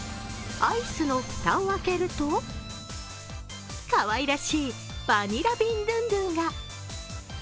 アイスの蓋を開けるとかわいらしいバニラビンドゥンドゥンが。